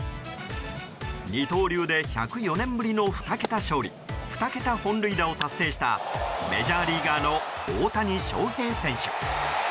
二刀流で１０４年ぶりの２桁勝利２桁本塁打を達成したメジャーリーガーの大谷翔平選手。